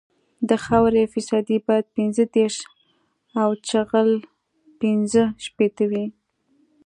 د خاورې فیصدي باید پنځه دېرش او جغل پینځه شپیته وي